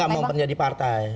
gak mau menjadi partai